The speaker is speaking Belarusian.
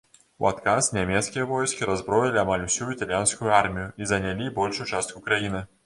У адказ нямецкія войскі раззброілі амаль усю італьянскую армію і занялі большую частку краіны.